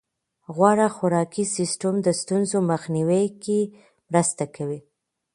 غوره خوراکي سیستم د ستونزو مخنیوي کې مرسته کوي.